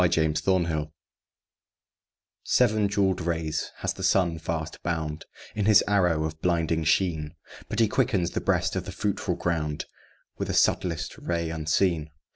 LOVE UNSUNG Seven jewelled rays has the Sun fast bound In his arrow of blinding sheen; But he quickens the breast of the fruitful ground With a subtlest ray unseen.